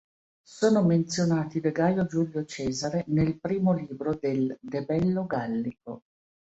Sono menzionati da Gaio Giulio Cesare nel I libro del "De bello Gallico".